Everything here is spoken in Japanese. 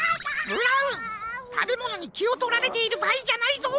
ブラウンたべものにきをとられているばあいじゃないぞ！